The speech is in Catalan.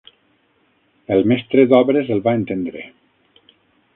El mestre d'obres el va entendre